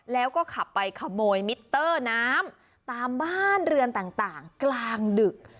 แล้วก็ขับไปขโมยมิเตอร์น้ำตามบ้านเรือนต่างกลางดึก